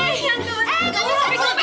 eh gak usah pegang pegang gue